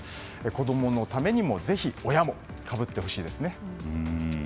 子供のためにもぜひ、親もかぶってほしいですね。